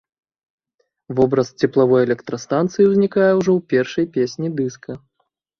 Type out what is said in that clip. Вобраз цеплавой электрастанцыі ўзнікае ўжо ў першай песні дыска.